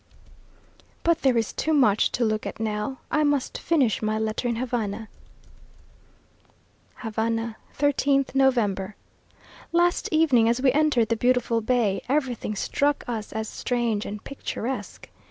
But there is too much to look at now. I must finish my letter in Havana. HAVANA, 13th November. Last evening, as we entered the beautiful bay, everything struck us as strange and picturesque.